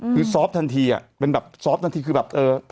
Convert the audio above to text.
คือซอฟต์ทันทีเป็นแบบซอฟต์ทันทีคือแบบเออ